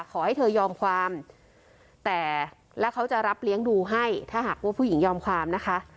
ขอให้เธอยอมความแต่แล้วเขาจะรับเลี้ยงดูให้ถ้าหากว่าผู้หญิงยอมความนะคะ